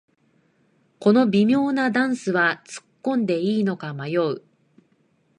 この微妙なダンスはつっこんでいいのか迷う